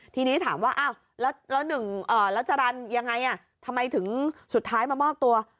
ทีนี้ถามว่าแล้วจารันยังไงทำไมถึงสุดท้ายมามอบตัว